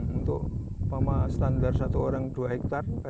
untuk standar satu orang dua hektare